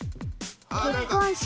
結婚式。